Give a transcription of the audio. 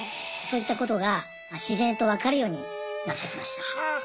そういったことが自然と分かるようになってきました。